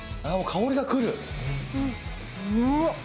香りが来る。